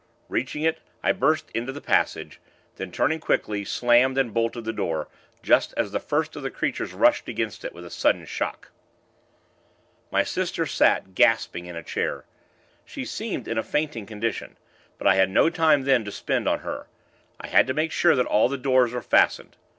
Reaching it, I burst into the passage; then, turning quickly, slammed and bolted the door, just as the first of the creatures rushed against it, with a sudden shock. My sister sat, gasping, in a chair. She seemed in a fainting condition; but I had no time then to spend on her. I had to make sure that all the doors were fastened.